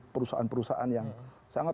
perusahaan perusahaan yang sangat